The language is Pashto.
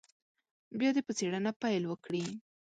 بیا دې په څېړنه پیل وکړي.